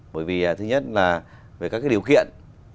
bởi vì thứ nhất là về các điều kiện